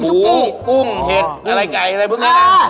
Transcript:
ปูปุ้มเห็ดอะไรไก่อะไรพวกนี้นะ